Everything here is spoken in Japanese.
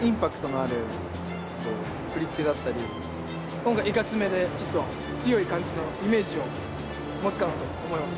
今回はいかつめで強い感じのイメージを持つかなと思います。